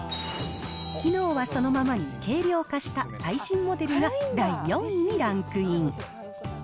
機能はそのままに、軽量化した最新モデルが第４位にランクイン。